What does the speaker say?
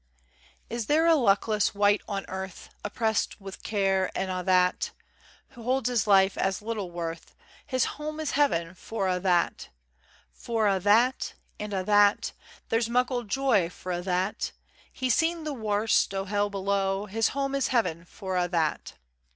] Is there a luckless wight on earth, Oppressed wi' care and a' that, Who holds his life as little worth, His home is Heaven for a' that For a' that, and a' that. There's muckle joy for a' that; He's seen the warst o' hell below, His home is Heaven for a' that.